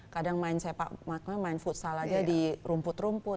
kadang main sepak makanya main futsal aja di rumput rumput